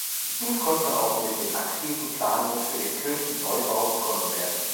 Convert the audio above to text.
Nun konnte auch mit den aktiven Planungen für den Kirchenneubau begonnen werden.